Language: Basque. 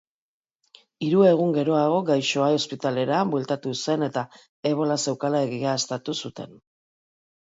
Hiru egun geroago, gaixoa ospitalera bueltatu zen eta ebola zeukala egiaztatu zuten.